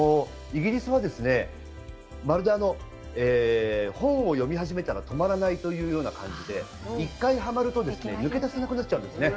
イギリスはですね、まるで本を読み始めたら止まらないという感じで、１回ハマると抜け出せなくなっちゃうんですね。